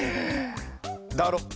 だろ？